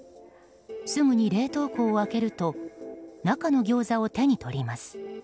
すぐに冷凍庫を開けると中のギョーザを手に取ります。